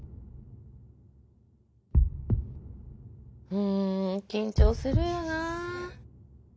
うん緊張するよな。